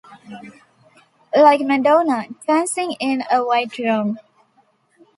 Like Madonna, dancing in a white room.